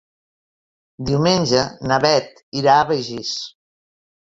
Diumenge na Beth irà a Begís.